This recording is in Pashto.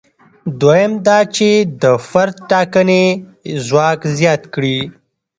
دویم دا چې د فرد د ټاکنې ځواک زیات کړي.